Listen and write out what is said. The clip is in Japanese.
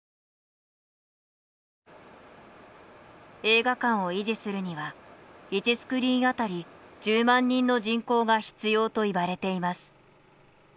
映画館を維持するには１スクリーン当たり１０万人の人口が必要といわれています。